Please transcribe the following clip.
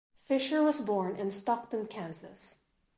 Fisher was born in Stockton, Kansas.